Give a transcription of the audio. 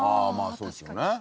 まあそうですよね。